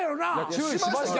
注意しましたよ。